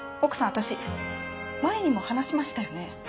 私前にも話しましたよね？